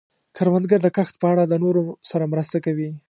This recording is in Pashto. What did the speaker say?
کروندګر د کښت په اړه د نورو سره مرسته کوي